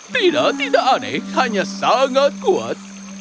tidak tidak aneh hanya sangat kuat